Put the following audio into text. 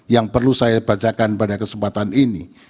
yang perlu saya bacakan pada kesempatan ini